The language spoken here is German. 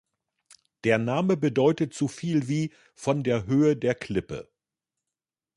Der Name bedeutet so viel wie „von der Höhe der Klippe“.